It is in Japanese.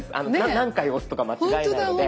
何回押すとか間違えないので。